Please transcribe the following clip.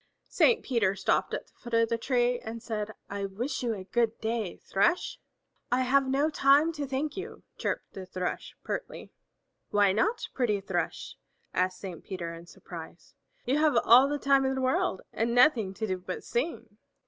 Saint Peter stopped at the foot of the tree and said, "I wish you a good day, Thrush!" "I have no time to thank you," chirped the Thrush pertly. "Why not, pretty Thrush?" asked Saint Peter in surprise. "You have all the time in the world and nothing to do but sing."